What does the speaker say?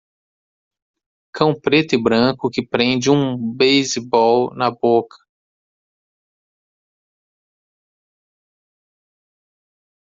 Cão preto e branco que prende um basebol na boca.